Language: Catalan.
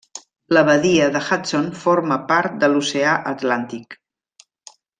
La badia de Hudson forma part de l'oceà Atlàntic.